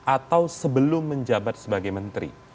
atau sebelum menjabat sebagai menteri